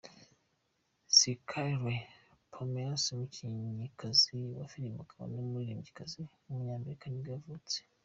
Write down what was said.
Scarlett Pomers, umukinnyikazi wa filime akaba n’umuririmbyikazi w’umunyamerika nibwo yavutse.